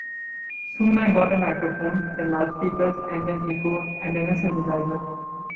Soon I bought a microphone, then loudspeakers, then an echo, then a synthesizer.